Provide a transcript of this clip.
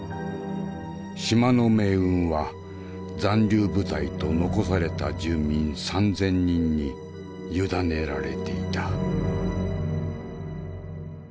島の命運は残留部隊と残された住民３，０００人に委ねられていた。